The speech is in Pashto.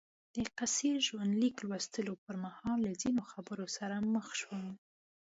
د قیصر ژوندلیک لوستلو پر مهال له ځینو خبرو سره مخ شوم.